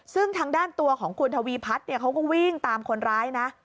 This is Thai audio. ซึ่งทางด้านตัวของคุณทวีพัฒน์เขาก็วิ่งตามคนร้ายนะ